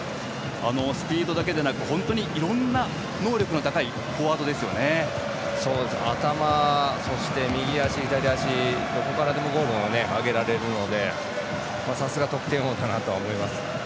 スピードだけでなくいろんな能力が高い頭、そして、右足、左足どこからでもゴールを挙げられるのでさすが得点王だなと思います。